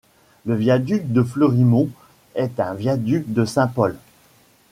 Le viaduc de Fleurimont est un viaduc de Saint-Paul.